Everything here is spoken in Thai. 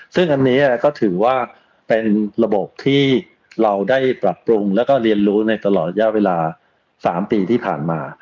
ซึ่งอันนี้ก็ถือว่าเป็นระบบที่เราได้ปรับปรุงแล้วก็เรียนรู้ในตลอดย่าเวลา๓ปีที่ผ่านมา